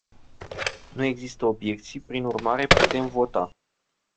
Nu există obiecții, prin urmare putem vota.